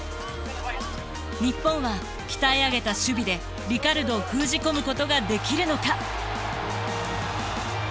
日本は鍛え上げた守備でリカルドを封じ込むことができるのか？